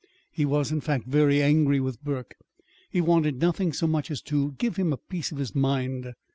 He was, in fact, very angry with Burke. He wanted nothing so much as to give him a piece of his mind.